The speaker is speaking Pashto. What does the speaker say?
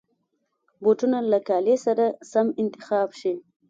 بوټونه له کالي سره سم انتخاب شي.